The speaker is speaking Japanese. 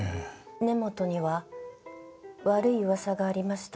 根本には悪い噂がありました。